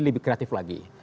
lebih kreatif lagi